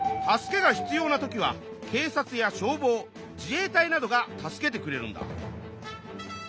助けが必要な時はけい察や消防自衛隊などが助けてくれるんだ。